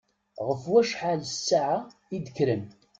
Ɣef wacḥal ssaɛa i d-kkren?